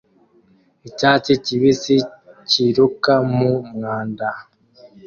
Icyatsi kibisi kiruka mu mwanda